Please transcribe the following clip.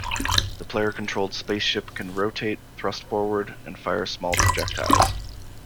The player-controlled spaceship can rotate, thrust forward, and fire small projectiles.